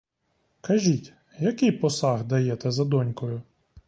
Кажіть, який посаг даєте за донькою?